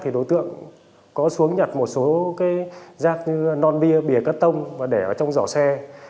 thì đối tượng có xuống nhặt một số rác như non bia bìa cắt tông và để ở trong giỏ xe